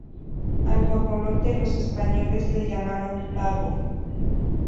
Al guajolote los españoles le llamaron Pavo.